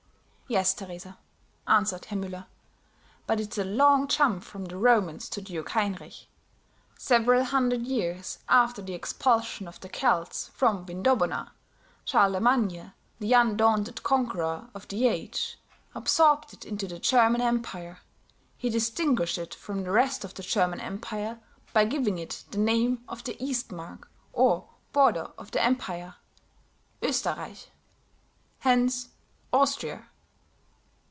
"Yes, Teresa," answered Herr Müller. "But it's a long jump from the Romans to Duke Heinrich. Several hundred years after the expulsion of the Celts from Vindobona, Charlemagne, the undaunted conqueror of the age, absorbed it into the German Empire; he distinguished it from the rest of the German Empire by giving it the name of the Eastmark or border of the empire (Oesterreich), hence Austria.